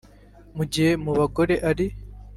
mu gihe mu bagore ari